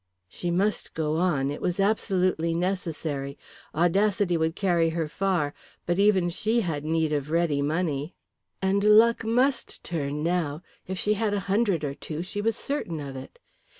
She must go on, it was absolutely necessary. Audacity would carry her far, but even she had need of ready money. And luck must turn now, if she had a hundred or two she was certain of it.